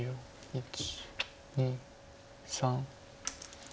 １２３。